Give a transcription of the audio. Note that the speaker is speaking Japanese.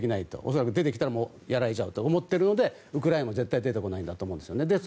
恐らく出てきたらやられちゃうと思ってるのでウクライナは絶対出てこないんですよね。